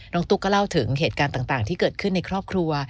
ตุ๊กก็เล่าถึงเหตุการณ์ต่างที่เกิดขึ้นในครอบครัว